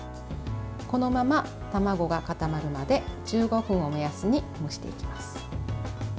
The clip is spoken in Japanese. このまま、卵が固まるまで１５分を目安に蒸していきます。